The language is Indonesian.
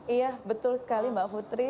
iya betul sekali mbak putri